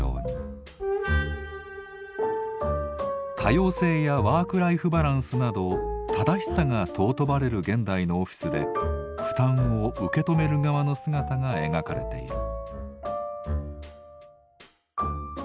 多様性やワークライフバランスなど「正しさ」が尊ばれる現代のオフィスで負担を受け止める側の姿が描かれている。